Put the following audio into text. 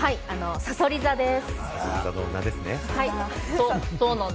さそり座です。